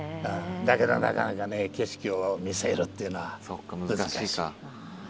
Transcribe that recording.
だけどなかなかね景色を見せるっていうのは難しい。